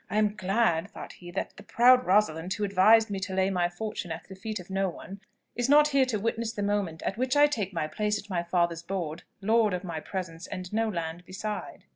"I am glad," thought he, "that the proud Rosalind, who advised me to lay my fortune at the feet of no one, is not here to witness the moment at which I take my place at my father's board, Lord of my presence and no land beside!"